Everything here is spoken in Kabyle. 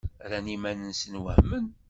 Rran iman-nsen wehmen.